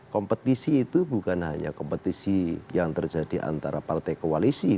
kompetisi itu bukan hanya kompetisi yang terjadi antara partai koalisi